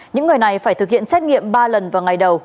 những người này phải thực hiện xét nghiệm ba lần vào ngày đầu